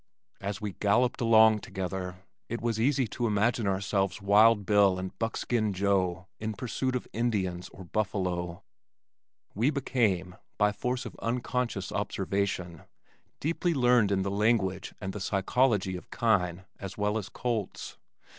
As we galloped along together it was easy to imagine ourselves Wild Bill and Buckskin Joe in pursuit of Indians or buffalo. We became, by force of unconscious observation, deeply learned in the language and the psychology of kine as well as colts.